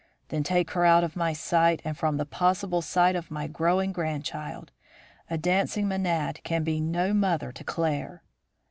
"'Then take her away out of my sight and from the possible sight of my growing grandchild. A dancing menad can be no mother to Claire.'